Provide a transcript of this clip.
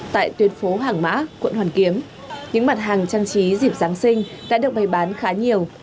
tại tuyến phố hàng mã quận hoàn kiếm những mặt hàng trang trí dịp giáng sinh đã được bày bán khá nhiều